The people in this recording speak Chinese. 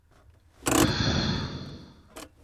观礼部政。